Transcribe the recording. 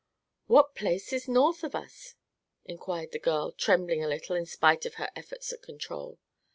"What place is north of us?" inquired the girl, trembling a little in spite of her efforts at control.